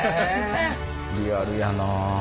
リアルやなあ。